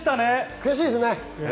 悔しいですね。